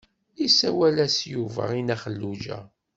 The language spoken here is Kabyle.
Isawel-as Yuba i Nna Xelluǧa.